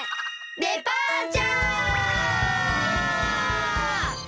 デパーチャー！